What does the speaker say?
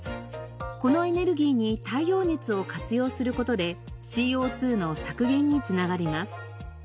このエネルギーに太陽熱を活用する事でＣＯ２の削減につながります。